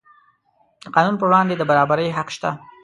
د قانون پر وړاندې د برابرۍ حق شته.